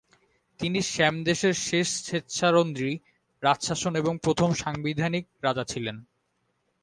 তিনি শ্যামদেশের শেষ স্বেচ্ছারন্ত্রী রাজশাসন এবং প্রথম সাংবিধানিক রাজা ছিলেন।